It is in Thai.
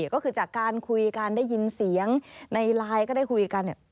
ก็คือจากการคุยกันได้ยินเสียงในไลน์ก็ได้คุยกัน